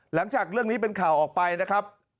หลังจากเรื่องนี้เป็นข่าวออกไปนะครับ